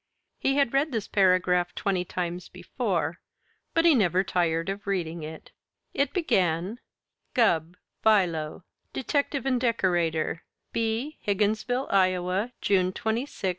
He had read this paragraph twenty times before, but he never tired of reading it. It began began Gubb, Philo. Detective and decorator, b. Higginsville, Ia., June 26, 1868.